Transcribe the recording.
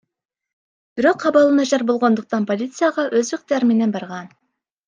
Бирок абалы начар болгондуктан полицияга өз ыктыяры менен барган.